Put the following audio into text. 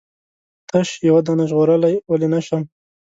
تش یوه دانه ژغورلای ولې نه شم؟